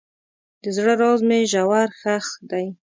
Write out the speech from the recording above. د زړه راز مې ژور ښخ دی.